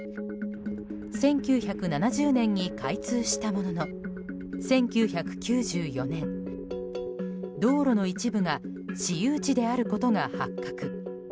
１９７０年に開通したものの１９９４年、道路の一部が私有地であることが発覚。